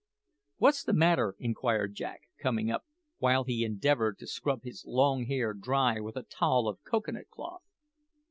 "What's the matter?" inquired Jack, coming up, while he endeavoured to scrub his long hair dry with a towel of cocoa nut cloth.